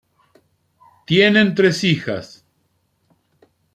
Tienen tres hijas.